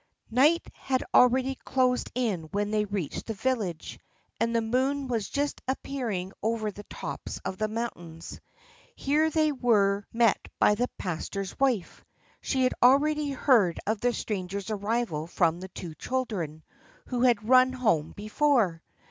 Night had already closed in when they reached the village, and the moon was just appearing over the tops of the mountains. Here they were met by the pastor's wife. She had already heard of the stranger's arrival from the two children, who had run home before.